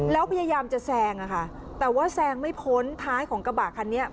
แล้วพยายามจะแซงอะค่ะแต่ว่าแซงไม่พ้นท้ายของกระบะคันนี้